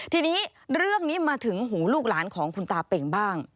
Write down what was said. ทีนี้เรื่องนี้มาถึงหูลูกหลานของคุณตาเป่งบ้าง